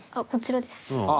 こちらです。